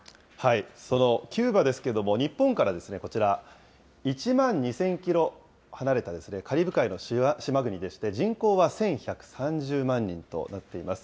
そのキューバですけども、日本からこちら、１万２０００キロ離れたカリブ海の島国でして、人口は１１３０万人となっています。